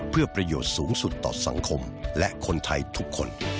เพื่อประโยชน์สูงสุดต่อสังคมและคนไทยทุกคน